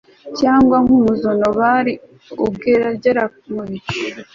cyangwa nk'umuzonobari ugera mu bicu